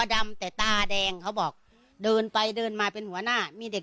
ดำแต่ตาแดงเขาบอกเดินไปเดินมาเป็นหัวหน้ามีเด็ก